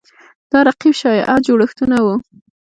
دا رقیب شیعه جوړښتونه وو